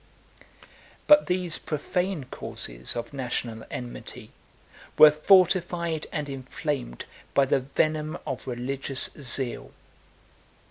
But these profane causes of national enmity were fortified and inflamed by the venom of religious zeal.